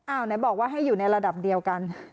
ไหนบอกว่าให้อยู่ในระดับเดียวกัน